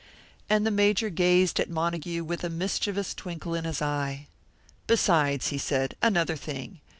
And the Major gazed at Montague with a mischievous twinkle in his eye. "Besides," he said, "another thing.